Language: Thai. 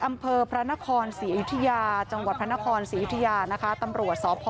อำเภอพระนครศรีอยุธยาจังหวัดพระนครศรียุธยานะคะตำรวจสพ